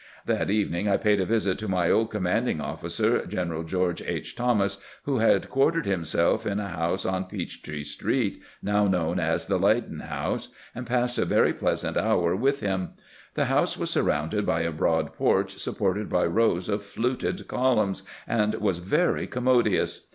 That evening I paid a visit to my old commanding officer. General George H. Thomas, who had quartered himself in a house on Peachtree street, now known as the Leyden House, and passed a very pleasant hour with him. The house was surrounded by a broad porch sup ported by rows of fluted columns, and was very commo dious.